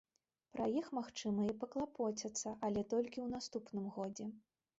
Пра іх, магчыма, і паклапоцяцца, але толькі ў наступным годзе.